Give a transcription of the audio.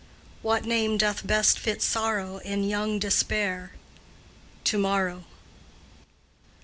What name doth best fit Sorrow In young despair? "To morrow."